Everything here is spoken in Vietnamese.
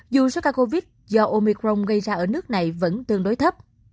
dù số ca covid do omicron gây ra ở nước này vẫn tương đối thấp